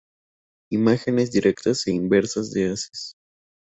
Imágenes directas e inversas de haces.